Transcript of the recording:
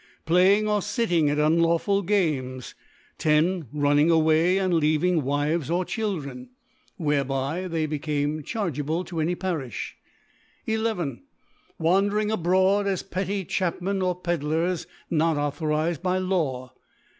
Playing or fitting at unlawful Games. (138) Games* lo. Running away/ and leaving Wives or Children, whereby they become chargeable to any Parifli. ii. Wandering abroad as pctry Chapmen or Pedlars, not authorized by Law.